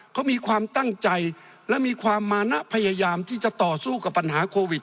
เขามีความตั้งใจและมีความมานะพยายามที่จะต่อสู้กับปัญหาโควิด